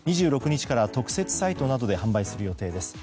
２６日から特設サイトなどで販売する予定です。